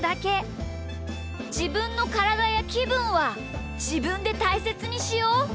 じぶんのからだやきぶんはじぶんでたいせつにしよう！